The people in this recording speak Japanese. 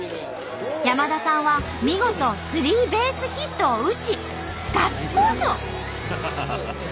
山田さんは見事スリーベースヒットを打ちガッツポーズを！